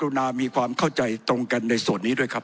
ผมจะขออนุญาตให้ท่านอาจารย์วิทยุซึ่งรู้เรื่องกฎหมายดีเป็นผู้ชี้แจงนะครับ